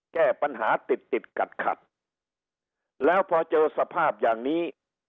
แก้ปัญหาติดติดขัดขัดแล้วพอเจอสภาพอย่างนี้